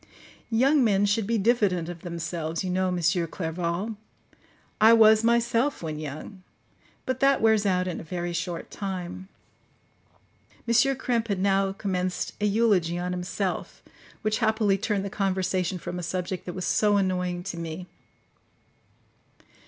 Young men should be diffident of themselves, you know, M. Clerval: I was myself when young; but that wears out in a very short time." M. Krempe had now commenced an eulogy on himself, which happily turned the conversation from a subject that was so annoying to me.